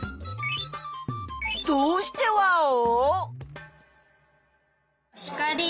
どうしてワオ？